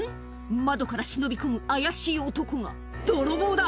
窓から忍び込む怪しい男が泥棒だ！